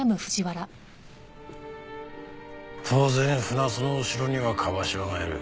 当然船津の後ろには椛島がいる。